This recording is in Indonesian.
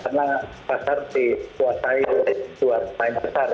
karena pasar dikuasai dari dua airline besar ya